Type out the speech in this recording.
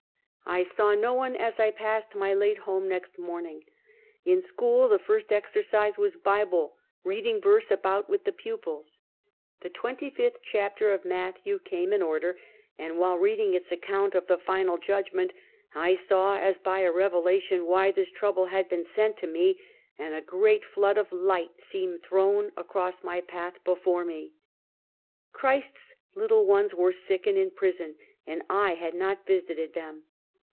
I saw no one as I passed my late home next morn ing. In scliool the first exercise was bible, reading verse about with the pupils. The xxv (25) chapter of Matthew came in order, and while reading its account of the final judgment, I saw as by a revelation why this trouble had been sent to me, and a great flood of light seemed thrown across my path before me. Christ's little ones were sick and in prison, and I had not visited them